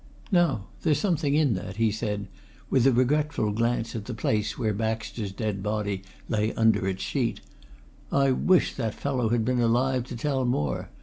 "Now there's something in that," he said, with a regretful glance at the place where Baxter's dead body lay under its sheet. "I wish that fellow had been alive, to tell more!